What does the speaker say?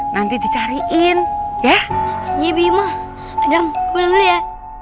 nanti dicariin ya iya bima adam pulang ya